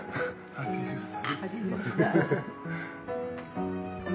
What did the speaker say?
８０歳。